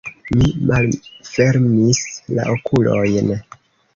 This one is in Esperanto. Mi malfermis la okulojn.